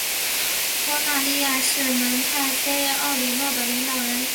扎纳利尼是蒙泰菲奥里诺的领导人。